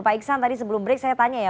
pak iksan tadi sebelum break saya tanya ya